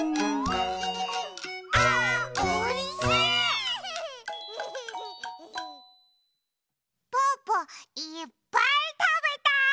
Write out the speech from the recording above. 「あーおいしい！」ぽぅぽいっぱいたべた！